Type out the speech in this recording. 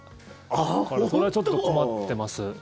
だからそれはちょっと困ってます。